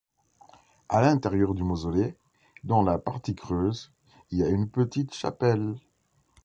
À l'intérieur du mausolée, dans la partie creuse, il y a une petite chapelle.